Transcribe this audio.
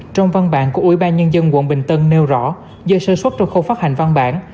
trong văn bản của ủy ban nhân dân quận bình tân nêu rõ do sơ xuất trong khâu phát hành văn bản